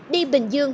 đi bình dương